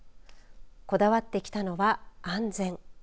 こだわってきたのは安全。